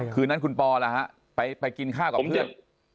คืนนั้นคุณปอล่ะฮะไปกินข้าวกับเพื่อน